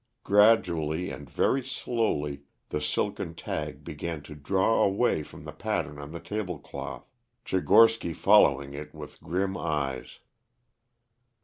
Gradually and very slowly the silken tag began to draw away from the pattern on the tablecloth, Tchigorsky following it with grim eyes.